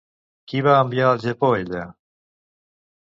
Qui va enviar al Japó ella?